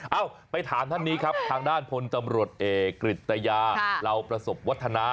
เอ้าไปถามท่านนี้ครับทางด้านพลตำรวจเอกกริตยาเหล่าประสบวัฒนา